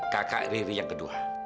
kakak riri yang kedua